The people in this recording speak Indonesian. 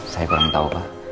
saya kurang tahu pak